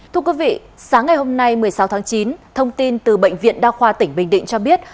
thưa quý vị sáng ngày hôm nay một mươi sáu tháng chín thông tin từ bệnh viện đa khoa tỉnh bình định cho biết